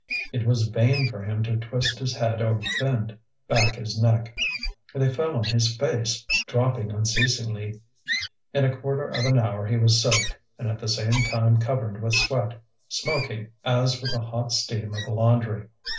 It was vain for him to twist his head or bend back his neck. They fell on his face, dropping unceasingly. In a quarter of an hour he was soaked, and at the same time covered with sweat, smoking as with the hot steam of a laundry.